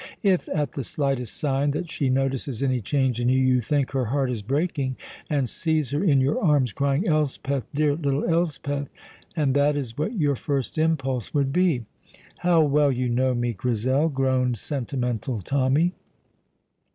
If, at the slightest sign that she notices any change in you, you think her heart is breaking, and seize her in your arms, crying, 'Elspeth, dear little Elspeth!' and that is what your first impulse would be " "How well you know me, Grizel!" groaned Sentimental Tommy.